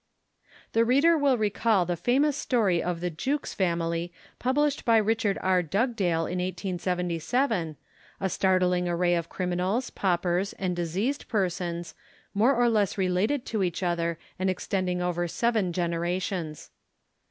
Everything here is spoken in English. The reader will recall the famous story of the Jukes family published by Richard L. Dugdale in 1877, a startling array of criminals, paupers, and diseased per sons, more or less related to each other and extending over seven generations.